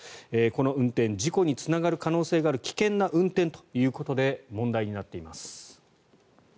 この運転事故につながる可能性がある危険な運転ということで問題になっています。